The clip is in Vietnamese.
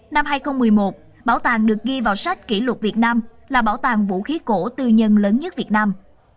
năm hai nghìn một mươi một bảo tàng được ghi vào sách kỷ lục việt nam là bảo tàng vũ khí cổ tư nhân lớn nhất việt nam